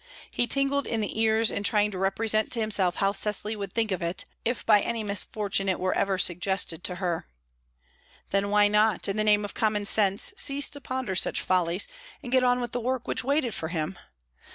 He tingled in the ears in trying to represent to himself how Cecily would think of it, if by any misfortune it were ever suggested to her. Then why not, in the name of common sense, cease to ponder such follies, and get on with the work which waited for him?